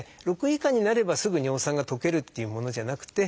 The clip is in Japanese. ６以下になればすぐ尿酸が溶けるっていうものじゃなくて。